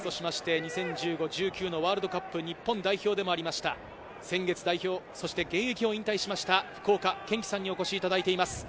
２０１９のワールドカップ日本代表でもありました、先月、日本代表、そして現役を引退しました福岡堅樹さんにお越しいただいています。